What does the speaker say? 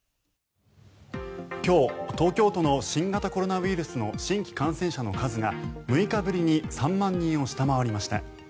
今日、東京都の新型コロナウイルスの新規感染者の数が６日ぶりに３万人を下回りました。